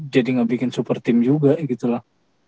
jadi gak bikin super team juga gitu lah